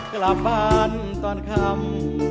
กลับบ้านตอนคำ